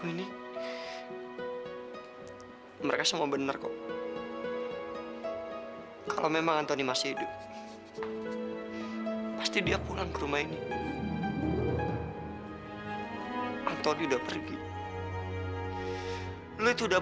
ini kan impian aku udah lama